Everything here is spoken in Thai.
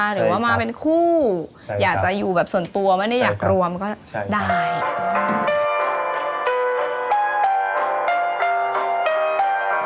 หรือว่ามาเป็นคู่อยากจะอยู่แบบส่วนตัวไม่ได้อยากรวมก็ได้ค่ะ